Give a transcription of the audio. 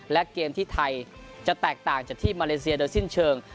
และเกมที่ไทยจะแตกต่างจากที่มาเลเซียโดยสิ้นเชิง